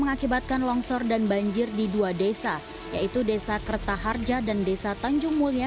mengakibatkan longsor dan banjir di dua desa yaitu desa kertaharja dan desa tanjung mulia